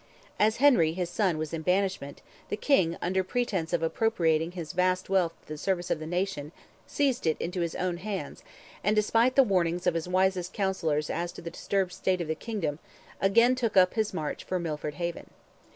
As Henry, his son, was in banishment, the King, under pretence of appropriating his vast wealth to the service of the nation, seized it into his own hands, and despite the warnings of his wisest counsellors as to the disturbed state of the kingdom, again took up his march for Milford Haven.